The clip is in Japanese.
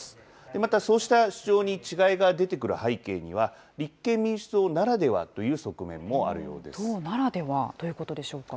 また、そうした主張に違いが出てくる背景には、立憲民主党ならで党ならではということでしょ